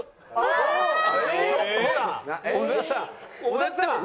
小田さん！